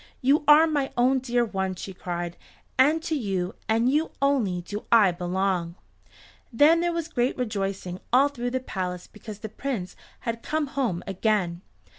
"You are my own dear one," she cried, "and to you and you only do I belong." Then there was great rejoicing all through the palace because the Prince had come home again.